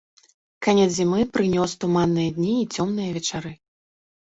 Канец зімы прынёс туманныя дні і цёмныя вечары.